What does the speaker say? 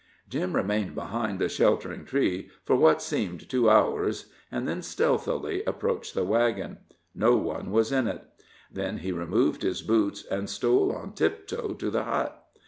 Jim remained behind a sheltering tree for what seemed two hours, and then stealthily approached the wagon. No one was in it. Then he removed his boots and stole on tiptoe to the hut.